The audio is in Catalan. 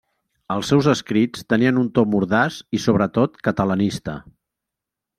Els seus escrits tenien un to mordaç i sobretot catalanista.